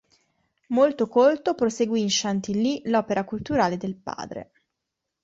Molto colto, proseguì in Chantilly l'opera culturale del padre.